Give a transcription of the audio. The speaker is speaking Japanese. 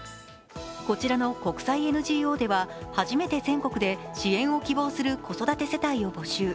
こちらの国際ＮＧＯでは、初めて全国で支援を希望する子育て世帯を募集。